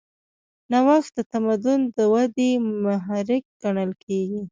نوښت د تمدن د ودې محرک ګڼل کېږي.